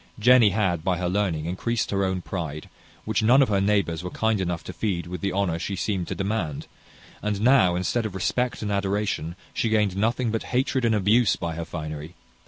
Jenny had, by her learning, increased her own pride, which none of her neighbours were kind enough to feed with the honour she seemed to demand; and now, instead of respect and adoration, she gained nothing but hatred and abuse by her finery.